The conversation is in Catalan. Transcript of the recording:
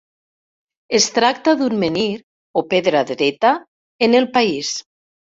Es tracta d'un menhir, o pedra dreta, en el país.